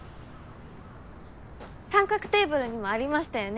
『三角テーブル』にもありましたよね。